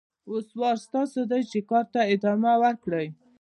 اوس وار ستاسو دی چې کار ته ادامه ورکړئ.